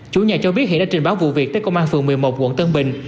chủ nhà cho biết hiện đã trình báo vụ việc tới công an phường một mươi một quận tân bình